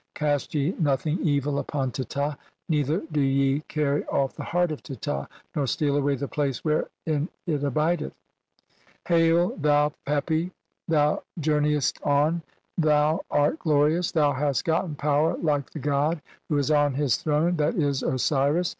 Cast ye nothing evil 'upon Teta, neither do ye carry off the heart of Teta, 'nor steal away the place wherein it abideth." (1) "Hail, thou Pepi, (2) thou journeyest on, thou THE ELYS IAN FIELDS OR HEAVEN. CXXXI "art glorious, thou hast gotten power like the God "(3) who is on his throne, that is, Osiris.